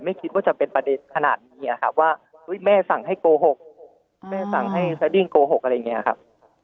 ไม่คิดว่าจะเป็นประเด็นขนาดนี้ครับว่าแม่สั่งให้โกหกแม่สั่งให้สดิ้งโกหกอะไรอย่างนี้ครับ